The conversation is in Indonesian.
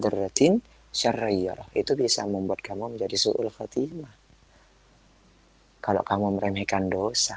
berlecetin syariah itu bisa membuat kamu menjadi suul fatimah hai kalau kamu merenekkan dosa